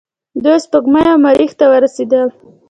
دوی سپوږمۍ او مریخ ته ورسیدل.